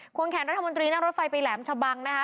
วงแขนรัฐมนตรีนั่งรถไฟไปแหลมชะบังนะคะ